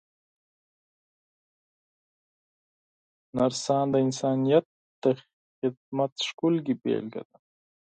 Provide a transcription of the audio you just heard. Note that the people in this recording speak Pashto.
نرسان د انسانیت د خدمت ښکلې بېلګه ده.